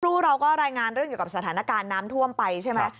ครูเราก็รายงานเรื่องเกี่ยวกับสถานการณ์น้ำท่วมไปใช่ไหม